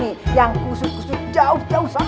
nih yang kusut kusut jauh jauh sana